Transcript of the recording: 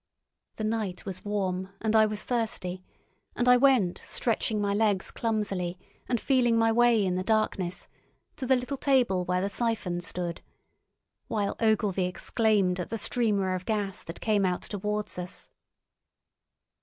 The night was warm and I was thirsty, and I went stretching my legs clumsily and feeling my way in the darkness, to the little table where the siphon stood, while Ogilvy exclaimed at the streamer of gas that came out towards us.